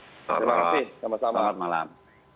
terima kasih selamat malam